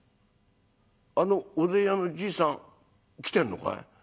あのおでん屋のじいさん来てんのかい？